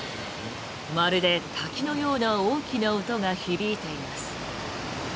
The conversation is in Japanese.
まるで滝のような大きな音が響いています。